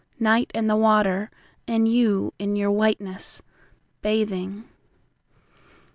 Night, and the water, and you in your whiteness, bathing!